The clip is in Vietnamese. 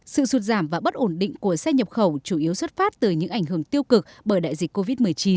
sự sụt giảm và bất ổn định của xe nhập khẩu chủ yếu xuất phát từ những ảnh hưởng tiêu cực bởi đại dịch covid một mươi chín